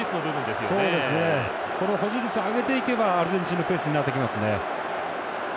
保持率を上げていけばアルゼンチンのペースになっていきますね。